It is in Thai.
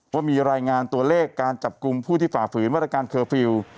ว่ามีรายงานตัวเลขการจับกลุ่มผู้ที่ฝ่าฝืนมาตรการเคอร์ฟิลล์